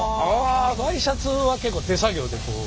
ワイシャツは結構手作業でこう。